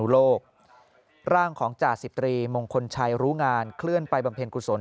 โลกร่างของจ่าสิบตรีมงคลชัยรู้งานเคลื่อนไปบำเพ็ญกุศล